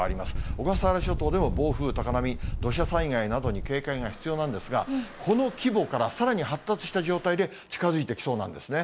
小笠原諸島でも暴風、高波、土砂災害などに警戒が必要なんですが、この規模から、さらに発達した状態で近づいてきそうなんですね。